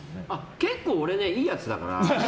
結構、俺いいやつだから。